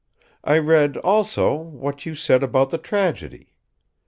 I read, also, what you said about the tragedy.